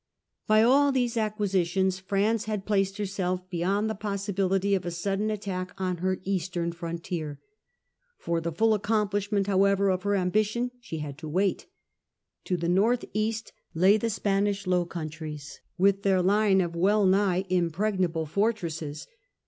By all these acquisitions France had placed herself beyond the possibility of a sudden attack on her eastern The north frontier. For the full accomplishment how eastern fron ever Q f her ambition she had to wait. To tier not yet secured. the north east lay the Spanish Low Countries, with their line of well nigh impregnable fortresses.